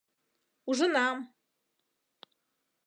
— Ужынам!